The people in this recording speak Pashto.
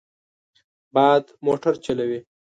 باد موټر چلوي.